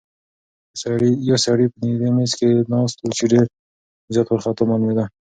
یو سړی په نږدې میز کې ناست و چې ډېر زیات وارخطا معلومېده.